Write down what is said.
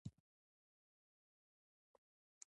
افغانستان د پسرلی د پلوه ځانته ځانګړتیا لري.